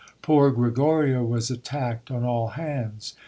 Poor Gregorio was attacked on all hands.